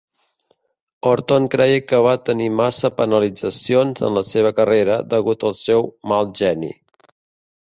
Horton creia que va tenir massa penalitzacions en la seva carrera degut al seu "mal geni".